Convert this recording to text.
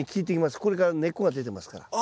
これから根っこが出てますから。